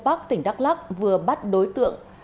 bắc tỉnh đắk lắc vừa bắt đối tượng